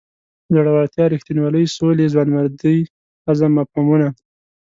زړورتیا رښتینولۍ سولې ځوانمردۍ عزم مفهومونه.